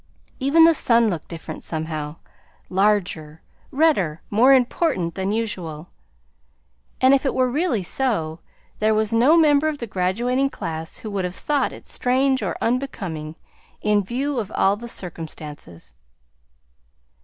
Even the sun looked different somehow, larger, redder, more important than usual; and if it were really so, there was no member of the graduating class who would have thought it strange or unbecoming, in view of all the circumstances.